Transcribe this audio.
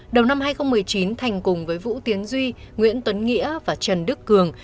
đầu năm hai nghìn một mươi chín thành cùng với vũ tiến duy nguyễn tuấn nghĩa và trần đức cường